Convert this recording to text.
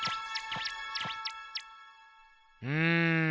うん。